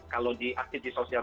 kalau di aktivitas sosial